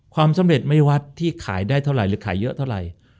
ความสำเร็จไม่วัดที่ขายได้เท่าไหร่หรือขายเยอะเท่าไหร่